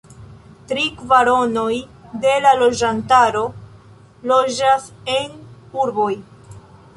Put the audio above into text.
Tri kvaronoj de la loĝantaro loĝas en urboj.